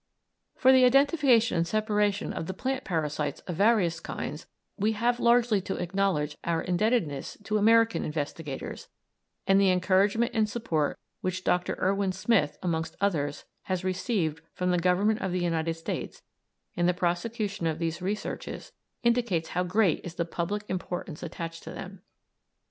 For the identification and separation of the plant parasites of various kinds we have largely to acknowledge our indebtedness to American investigators, and the encouragement and support which Dr. Erwin Smith, amongst others, has received from the Government of the United States in the prosecution of these researches indicates how great is the public importance attached to them.